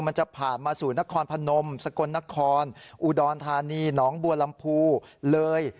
มันจะผ่านมาสู่นครพนมสกลนครอุดรธานีหนองบัวลำพูเลย